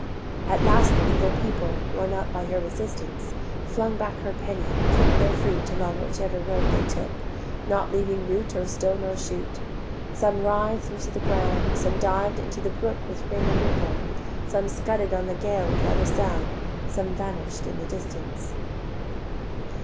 At last the evil people, Worn out by her resistance, Flung back her penny, kick'd their fruit Along whichever road they took, Not leaving root or stone or shoot; Some writh'd into the ground, Some div'd into the brook With ring and ripple, Some scudded on the gale without a sound, Some vanish'd in the distance.